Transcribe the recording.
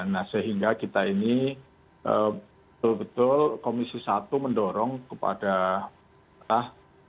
nah sehingga kita ini betul betul komisi satu mendorong kepada kita dalam hal ini